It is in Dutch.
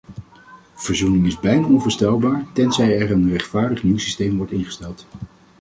Verzoening is bijna onvoorstelbaar, tenzij er een rechtvaardig nieuw systeem wordt ingesteld.